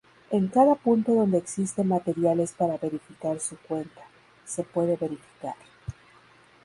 En cada punto donde existen materiales para verificar su cuenta, se puede verificar".